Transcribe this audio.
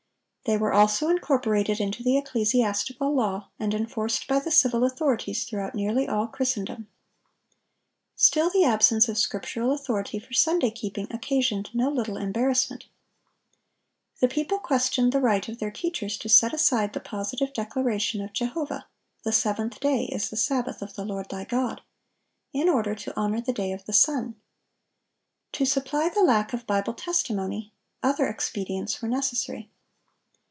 They were also incorporated into the ecclesiastical law, and enforced by the civil authorities throughout nearly all Christendom.(1011) Still the absence of scriptural authority for Sunday keeping occasioned no little embarrassment. The people questioned the right of their teachers to set aside the positive declaration of Jehovah, "The seventh day is the Sabbath of the Lord thy God," in order to honor the day of the sun. To supply the lack of Bible testimony, other expedients were necessary.